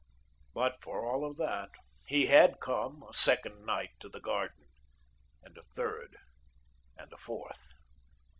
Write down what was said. But for all that, he had come a second night to the garden, and a third, and a fourth.